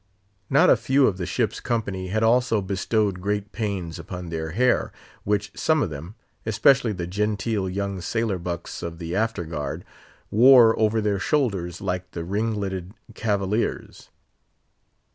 Not a few of the ship's company had also bestowed great pains upon their hair, which some of them—especially the genteel young sailor bucks of the After guard—wore over their shoulders like the ringleted Cavaliers.